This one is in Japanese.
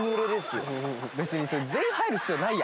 別に全員入る必要ないやん。